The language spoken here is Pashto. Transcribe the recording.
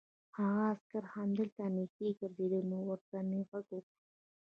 هغه عسکر همدلته نږدې ګرځېد، نو ورته مې غږ وکړ.